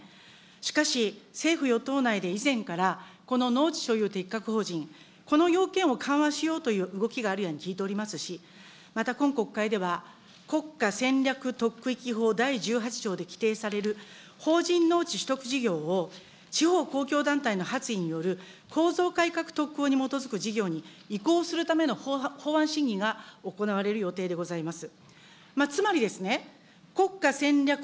しかし、政府・与党内で以前から、この農地所有適格法人、この要件を緩和しようという動きがあるように聞いておりますし、また今国会では、国家戦略特区域法第１８条で規定される法人農地取得事業を地方公共団体の発意による構造改革に基づく事業に移行するための法案審議が行われる予定でございます。